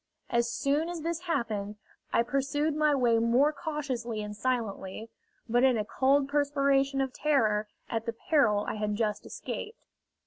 As soon as this happened, I pursued my way more cautiously and silently, but in a cold perspiration of terror at the peril I had just escaped.